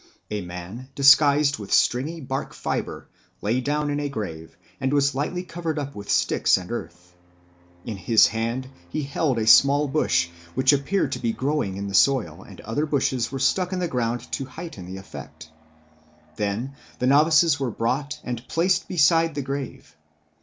A man, disguised with stringy bark fibre, lay down in a grave and was lightly covered up with sticks and earth. In his hand he held a small bush, which appeared to be growing in the soil, and other bushes were stuck in the ground to heighten the effect. Then the novices were brought and placed beside the grave.